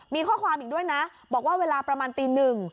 มีข้อความอีกด้วยนะบอกว่าเวลาประมาณตีหนึ่ง